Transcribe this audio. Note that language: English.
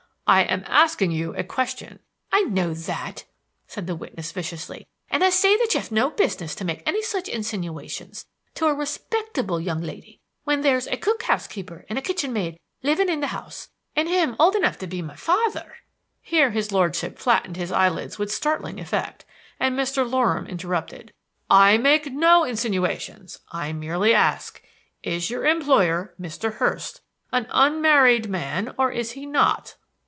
"I am asking you a question." "I know that," said the witness viciously; "and I say that you've no business to make any such insinuations to a respectable young lady when there's a cook housekeeper and a kitchenmaid living in the house, and him old enough to be my father " Here his lordship flattened his eyelids with startling effect, and Mr. Loram interrupted: "I make no insinuations. I merely ask, Is your employer, Mr. Hurst, an unmarried man, or is he not?"